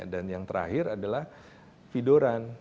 dan yang terakhir adalah vidoran